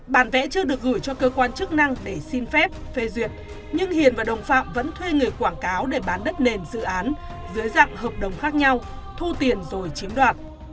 bản vẽ chưa được gửi cho cơ quan chức năng để xin phép phê duyệt nhưng hiền và đồng phạm vẫn thuê người quảng cáo để bán đất nền dự án dưới dạng hợp đồng khác nhau thu tiền rồi chiếm đoạt